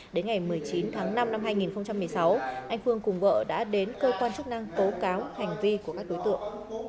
đến ngày một mươi chín tháng năm năm hai nghìn một mươi sáu anh phương cùng vợ đã đến cơ quan chức năng tố cáo hành vi của các đối tượng